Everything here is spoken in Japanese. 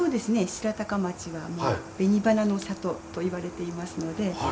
白鷹町は紅花の里といわれていますので。